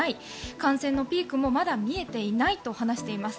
感染のピークもまだ見えていないと話してます。